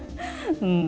うん。